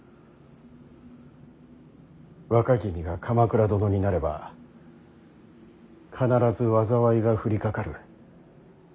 若君が鎌倉殿になれば必ず災いが降りかかる。